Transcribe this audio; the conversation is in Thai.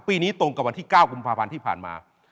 ปีนี้ตรงกับวันที่๙กุมภาพันธ์ที่ผ่านมา